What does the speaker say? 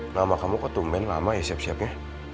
nama kamu kok tumben lama ya siap siapnya